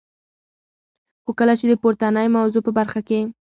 خو کله چي د پورتنی موضوع په برخه کي.